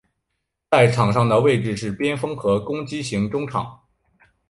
在场上的位置是边锋和攻击型中场。